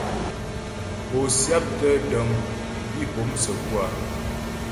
Pó syáptə́ dəŋ bi pó səkú a ?